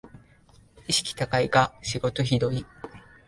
意識高いが仕事ひどい